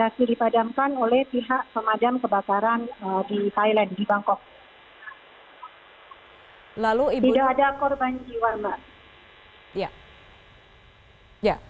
tidak ada akur banjiwa mbak